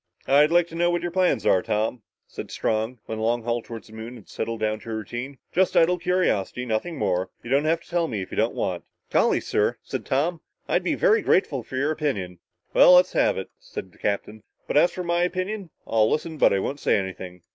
"I'd like to know what your plans are, Tom," said Strong, when the long haul toward the Moon had settled down to a routine. "Just idle curiosity, nothing more. You don't have to tell me if you don't want to." "Golly, yes," said Tom, "I'd be very grateful for your opinion." "Well, let's have it," said the captain. "But as for my opinion I'll listen, but I won't say anything."